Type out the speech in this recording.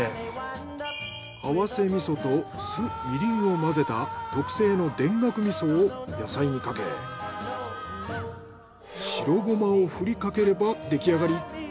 合わせ味噌と酢みりんを混ぜた特製の田楽味噌を野菜にかけ白ゴマをふりかければできあがり。